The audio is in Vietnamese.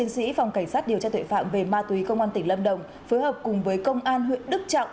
sĩ phòng cảnh sát điều tra tuệ phạm về ma túy công an tỉnh lâm đồng phối hợp cùng với công an huyện đức trọng